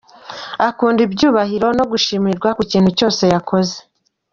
Akunda ibyuhiro no gushimirwa ku kintu cyose yakoze.